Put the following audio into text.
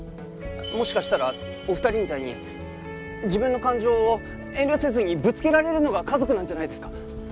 もしかしたらお二人みたいに自分の感情を遠慮せずにぶつけられるのが家族なんじゃないですか？